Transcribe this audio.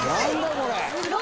これ」